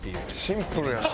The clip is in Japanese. シンプルやな。